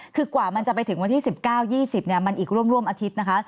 คือกว่ามันจะไปถึงวันที่๑๙๒๐มันอีกร่วมอาทิตย์นะคะ